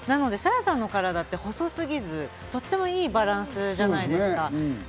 なのでＳａｙａさんの体って細すぎず、とってもいいバランスじゃないですか。